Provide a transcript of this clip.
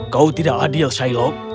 kau tidak adil shiloh